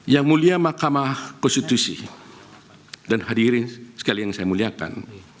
yang mulia makamah konstitusi dan hadirin sekali yang saya muliakan